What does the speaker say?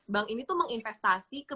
bank ini tuh menginvestasi ke